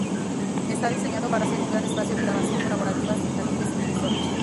Está diseñado para ser un gran espacio de grabación colaborativa, sin tabiques divisorios.